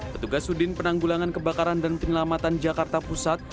ketugas udin penanggulangan kebakaran dan penelamatan jakarta pusat